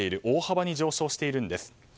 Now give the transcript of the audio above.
大幅に上昇しているんです。